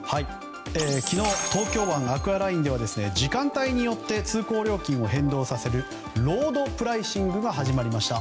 昨日東京湾アクアラインでは時間帯によって通行料金を変動させるロードプライシングが始まりました。